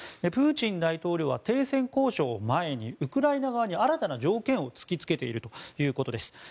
プーチン大統領は停戦交渉を前にウクライナ側に新たな条件を突き付けているということです。